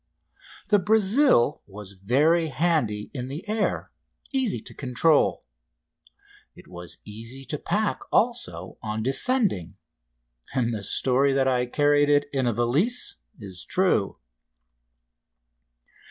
The "Brazil" was very handy in the air easy to control. It was easy to pack also on descending, and the story that I carried it in a valise is true.